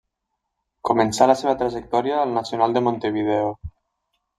Començà la seva trajectòria al Nacional de Montevideo.